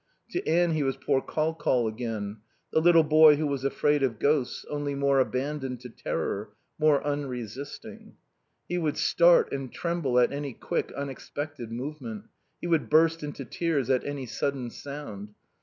To Anne he was "poor Col Col" again, the little boy who was afraid of ghosts, only more abandoned to terror, more unresisting. He would start and tremble at any quick, unexpected movement. He would burst into tears at any sudden sound.